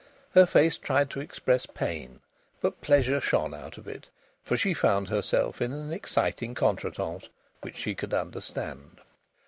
Her face tried to express pain, but pleasure shone out of it. For she found herself in an exciting contretemps which she could understand.